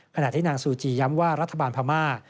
ขณะที่นางซูจีย้ำว่ารัฐบาลพม่า